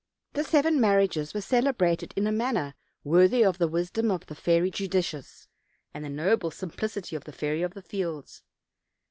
The seven marriages were celebrated in a man ner worthy of the wisdom of the Fairy Judicious, and the noble simplicity of the Fairy of the Fields.